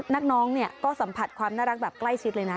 น้องเนี่ยก็สัมผัสความน่ารักแบบใกล้ชิดเลยนะ